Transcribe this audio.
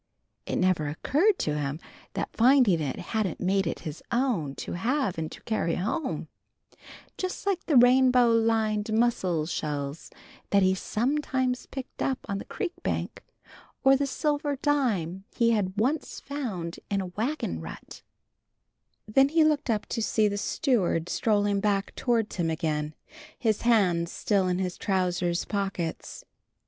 It never occurred to him that finding it hadn't made it his own to have and to carry home, just like the rainbow lined mussel shells that he sometimes picked up on the creek bank, or the silver dime he had once found in a wagon rut. [Illustration: "Here!" he said] Then he looked up to see the steward strolling back towards him again, his hands still in his trousers' pockets.